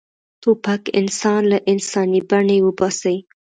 توپک انسان له انساني بڼې وباسي.